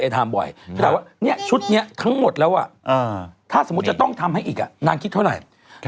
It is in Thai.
ถามว่าชุดนี้ทั้งหมดแล้วถ้าสมมุติจะต้องทำให้อีกนางคิดเท่าไหร่